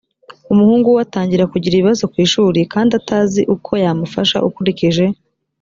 umuhungu we atangira kugira ibibazo ku ishuri kandi atazi uko yamufasha ukurikije